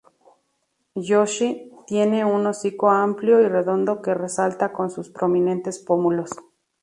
Yoshi tiene un hocico amplio y redondo que resalta con sus prominentes pómulos.